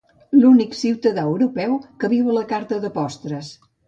L'únic ciutadà europeu que viu a la carta de postres.